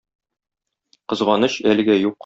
Кызганыч, әлегә юк.